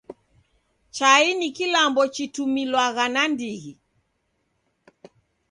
Chai ni kilambo chitumilwagha nandighi.